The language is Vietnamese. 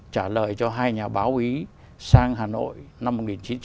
trả lời cho hai nhà báo ý sang hà nội năm một nghìn chín trăm sáu mươi sáu